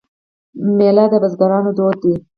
میله د بزګرانو دود دی.